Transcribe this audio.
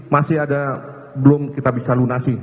masih ada belum kita bisa lunasi